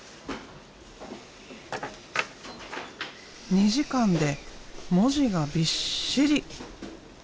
２時間で文字がびっしり。